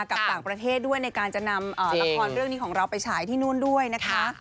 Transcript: กับต่างประเทศด้วยในการจะนำละครเรื่องนี้ของเราไปฉายที่นู่นด้วยนะคะ